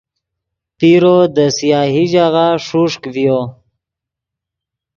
پیرو دے سیاہی ژاغہ ݰوݰک ڤیو